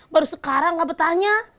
baru sekarang nggak betahnya